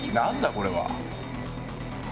これは。何？